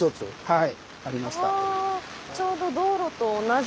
はい。